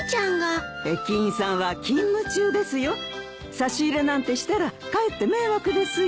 差し入れなんてしたらかえって迷惑ですよ。